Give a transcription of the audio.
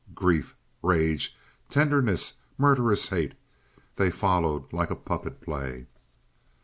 Grief, rage, tenderness, murderous hate they followed like a puppet play.